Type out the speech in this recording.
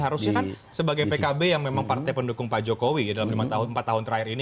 harusnya kan sebagai pkb yang memang partai pendukung pak jokowi dalam empat tahun terakhir ini